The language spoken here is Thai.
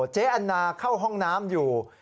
แอนนาเข้าห้องน้ำอยู่